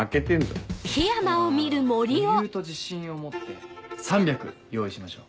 そしたら余裕と自信を持って３００用意しましょう。